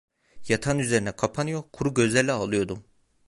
Yatağın üzerine kapanıyor, kuru gözlerle ağlıyordum…